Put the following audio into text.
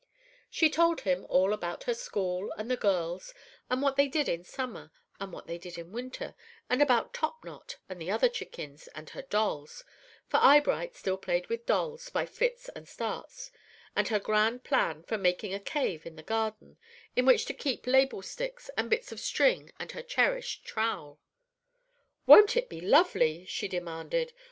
She told him all about her school, and the girls, and what they did in summer, and what they did in winter, and about Top knot, and the other chickens, and her dolls, for Eyebright still played with dolls by fits and starts, and her grand plan for making "a cave" in the garden, in which to keep label sticks and bits of string and her cherished trowel. "Won't it be lovely?" she demanded.